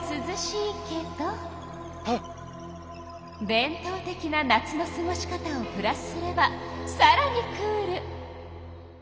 伝とう的な夏のすごし方をプラスすればさらにクール！